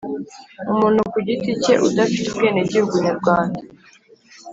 umuntu ku giti cye udafite ubwenegihugu nyarwanda